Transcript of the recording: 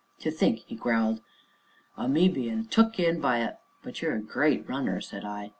"To think," he growled, "o' me bein' took in by a " "But you are a great runner!" said I.